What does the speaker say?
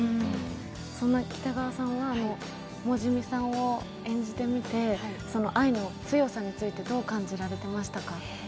そんな北川さんはモジミさんを演じてみて、その愛の強さについてどう感じられていましたか？